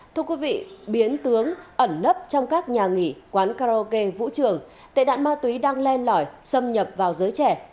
thưa quý vị biến tướng ẩn nấp trong các nhà nghỉ quán karaoke vũ trường tệ nạn ma túy đang len lỏi xâm nhập vào giới trẻ